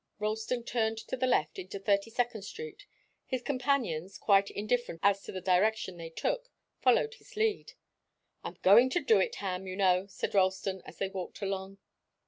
Ralston turned to the left, into Thirty second Street. His companions, quite indifferent as to the direction they took, followed his lead. "I'm going to do it, Ham, you know," said Ralston, as they walked along.